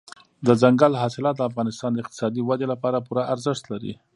دځنګل حاصلات د افغانستان د اقتصادي ودې لپاره پوره ارزښت لري.